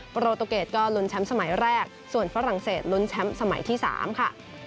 โปรตูเกรดก็ลุ้นแชมป์สมัยแรกส่วนฝรั่งเศสลุ้นแชมป์สมัยที่๓ค่ะ